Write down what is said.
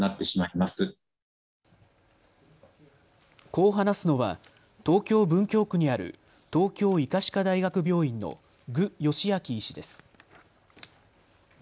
こう話すのは東京文京区にある東京医科歯科大学病院の具芳明医師です。